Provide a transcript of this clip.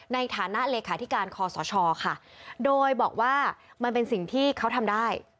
ในฐานะเลขาธิการคอสชค่ะโดยบอกว่ามันเป็นสิ่งที่เขาทำได้